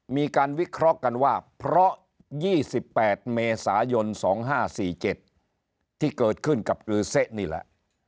๒๘เมษายน๒๕๔๗ที่เกิดขึ้นกับกือเสะนี่แหละ